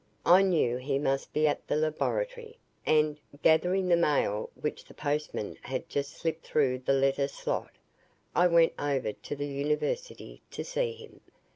I knew he must be at the laboratory, and, gathering the mail, which the postman had just slipped through the letter slot, I went over to the University to see him.